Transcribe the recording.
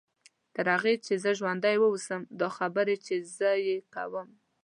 تر هغه چې زه ژوندۍ واوسم دا خبرې چې زه یې کوم.